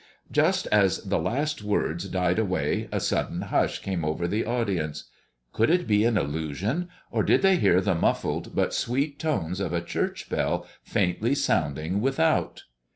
Just as the last words died away a sudden hush came over the audience. Could it be an illusion, or did they hear the muffled but sweet notes of a church bell faintly sounding without?